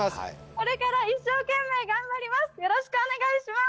これから一生懸命頑張ります